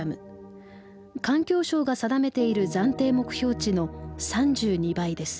環境省が定めている暫定目標値の３２倍です。